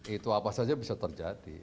itu apa saja bisa terjadi